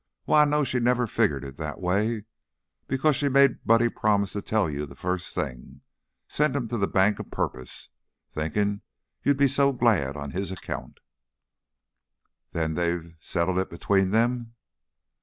Why, I know she never figgered it that way, because she made Buddy promise to tell you the first thing; sent him to the bank a purpose, thinking you'd be so glad on his account." "Then they've settled it between them?"